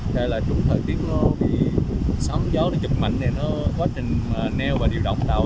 thế là trung thời tiết nó bị sóng gió nó chụp mạnh thì nó quá trình neo và điều động tàu